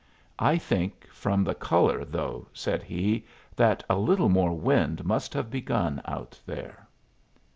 "I think, from the color, though," said he, "that a little more wind must have begun out there."